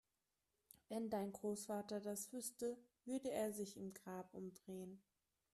Wenn dein Großvater das wüsste, würde er sich im Grab umdrehen